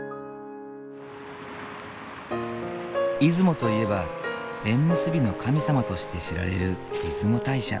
出雲といえば縁結びの神様として知られる出雲大社。